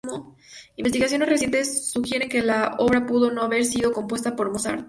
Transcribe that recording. Investigaciones recientes sugieren que la obra pudo no haber sido compuesta por Mozart.